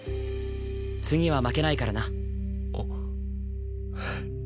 次は負けないからな。